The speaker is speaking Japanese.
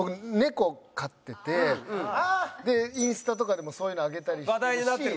でインスタとかでもそういうの上げたりしてるし。